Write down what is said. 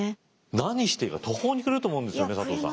何していいか途方に暮れると思うんですよね佐藤さん。